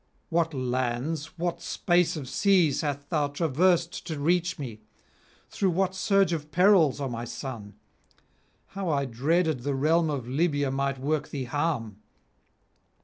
What lands, what space of seas hast thou traversed to reach me, through what surge of perils, O my son! How I dreaded the realm of Libya might work thee harm!'